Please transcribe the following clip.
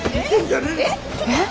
えっ？